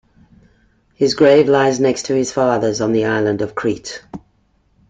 His grave lies next to his father's on the island of Crete.